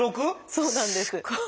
そうなんです。